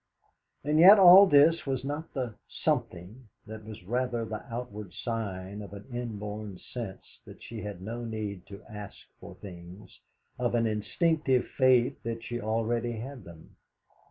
And yet all this was not the "something"; that was rather the outward sign of an inborn sense that she had no need to ask for things, of an instinctive faith that she already had them.